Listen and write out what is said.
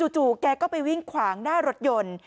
แกก็ไปวิ่งขวางหน้ารถยนต์